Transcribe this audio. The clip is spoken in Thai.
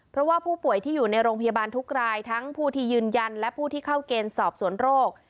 เพราะว่าผู้ป่วยที่อยู่ในโรงพยาบาลทุกรายทั้งผู้ที่ยืนยันและผู้ที่เข้าเกณฑ์สอบสวนโรค